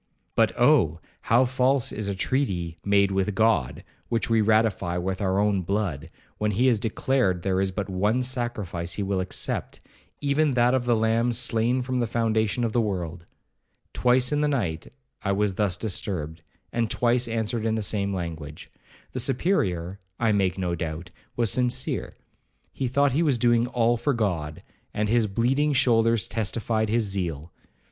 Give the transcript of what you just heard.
But Oh! how false is a treaty made with God, which we ratify with our own blood, when he has declared there is but one sacrifice he will accept, even that of the Lamb slain from the foundation of the world! Twice in the night, I was thus disturbed, and twice answered in the same language. The Superior, I make no doubt, was sincere. He thought he was doing all for God, and his bleeding shoulders testified his zeal.